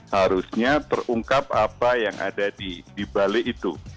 harusnya terungkap apa yang ada dibalik itu